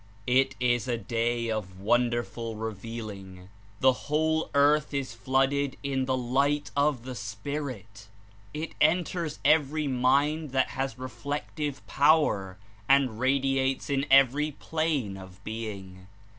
It is a day of wonderful revealing. The whole earth is flooded in the light of the Spirit. It enters every mind that has reflective power and radiates in every plane of being.